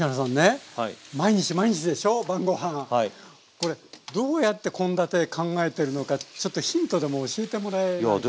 これどうやって献立考えてるのかちょっとヒントでも教えてもらえないかなって。